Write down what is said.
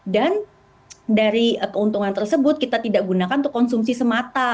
dan dari keuntungan tersebut kita tidak gunakan untuk konsumsi semata